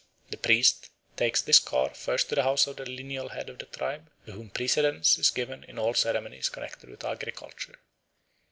The priest takes this car first to the house of the lineal head of the tribe, to whom precedence is given in all ceremonies connected with agriculture.